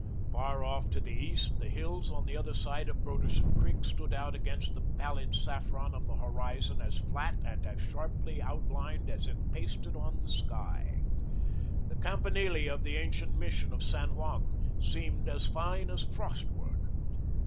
Far off to the east, the hills on the other side of Broderson Creek stood out against the pallid saffron of the horizon as flat and as sharply outlined as if pasted on the sky. The campanile of the ancient Mission of San Juan seemed as fine as frost work.